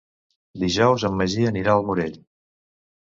Dijous en Magí anirà al Morell.